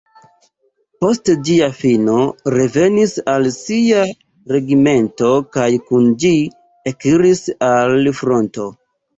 Post ĝia fino revenis al sia regimento kaj kun ĝi ekiris al fronto.